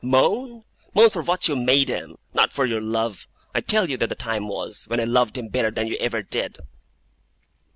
Moan? Moan for what you made him; not for your love. I tell you that the time was, when I loved him better than you ever did!